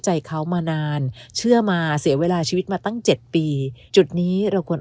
ใจเขามานานเชื่อมาเสียเวลาชีวิตมาตั้งเจ็ดปีจุดนี้เราควร